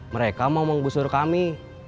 mereka mau menggusur kami